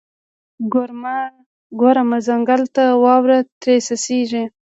ګورمه ځنګله ته، واوره ترې څڅیږي